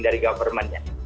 dari government ya